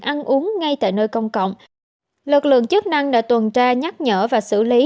ăn uống ngay tại nơi công cộng lực lượng chức năng đã tuần tra nhắc nhở và xử lý